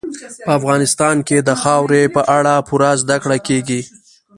په افغانستان کې د خاورې په اړه پوره زده کړه کېږي.